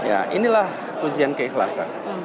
ya inilah pujian keikhlasan